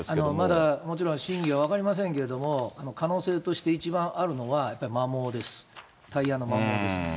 まだもちろん真偽は分かりませんけれども、可能性として一番あるのは、やっぱり摩耗です、タイヤの摩耗です。